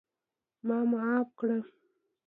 ما معاف کړه!